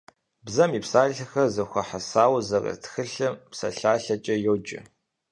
Бзэм и псалъэхэр зэхуэхьэсауэ зэрыт тхылъым псалъалъэкӏэ йоджэ.